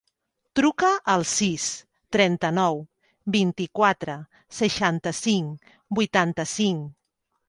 Truca al sis, trenta-nou, vint-i-quatre, seixanta-cinc, vuitanta-cinc.